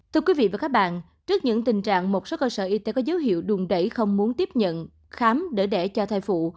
thưa quý vị và các bạn trước những tình trạng một số cơ sở y tế có dấu hiệu đùn đẩy không muốn tiếp nhận khám để để cho thai phụ